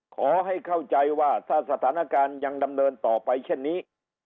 ขอให้เข้าใจว่าถ้าสถานการณ์ยังดำเนินต่อไปเช่นนี้